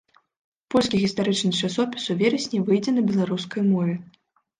Польскі гістарычны часопіс у верасні выйдзе на беларускай мове.